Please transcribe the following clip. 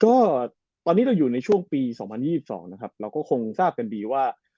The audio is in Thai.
ก็ตอนนี้เราอยู่ในช่วงปี๒๐๒๒นะครับเราก็คงทราบกันดีว่า